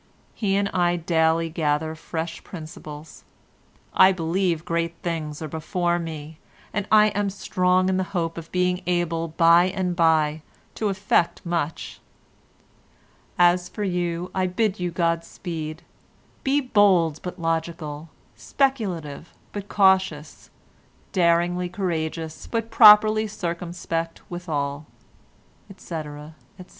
He and I daily gather fresh principles. I believe great things are before me, and am strong in the hope of being able by and by to effect much. "As for you I bid you God speed. Be bold but logical, speculative but cautious, daringly courageous, but properly circumspect withal," etc., etc.